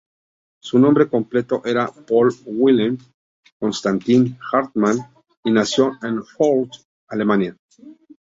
Su nombre completo era Paul Wilhelm Constantin Hartmann, y nació en Fürth, Alemania.